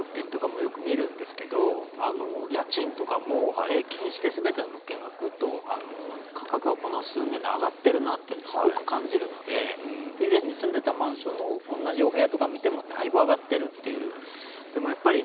売り物件だけじゃなくて賃貸の物件とかもよく見るんですけど家賃とかも平均して全ての物件がぐっと価格がこの数年で上がってるなとすごく感じるので以前に住んでいたマンションの同じお部屋とかも見てもだいぶ上がっているという。